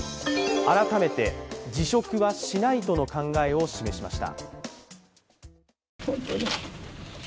改めて、辞職はしないとの考えを示しました。